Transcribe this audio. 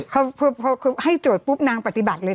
พอให้โจทย์ปุ๊บนางปฏิบัติเลย